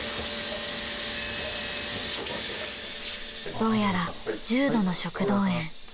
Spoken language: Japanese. ［どうやら重度の食道炎］